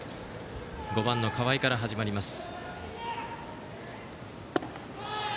５番の河合から始まります。